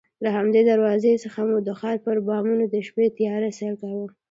له همدې دروازې څخه مو د ښار پر بامونو د شپې تیاره سیل کاوه.